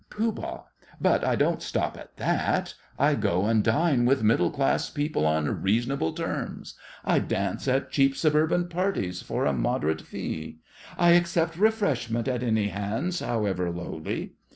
POOH. But I don't stop at that. I go and dine with middle class people on reasonable terms. I dance at cheap suburban parties for a moderate fee. I accept refreshment at any hands, however lowly.